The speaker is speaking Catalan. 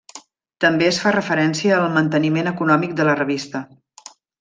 També es fa referència al manteniment econòmic de la revista.